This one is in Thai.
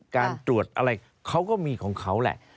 การตรวจอะไรเขาก็มีของเขาแหละ